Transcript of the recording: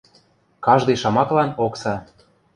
Каждый шамаклан окса.